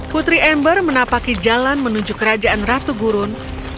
putri ember menapaki jalan menuju kerajaan ratu gurun